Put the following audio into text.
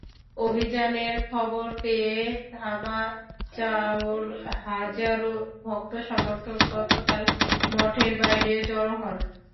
অভিযানের খবর পেয়ে ধামাচায়োর হাজারো ভক্ত-সমর্থক গতকাল মঠের বাইরে জড়ো হন।